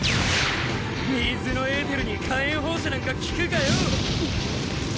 水のエーテルに火炎放射なんか効くかよ！